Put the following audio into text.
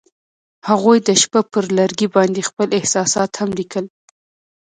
هغوی د شپه پر لرګي باندې خپل احساسات هم لیکل.